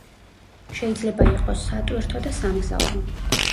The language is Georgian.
შეიძლება იყოს სატვირთო და სამგზავრო.